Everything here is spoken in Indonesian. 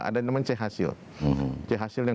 ada namanya c hasil c hasil yang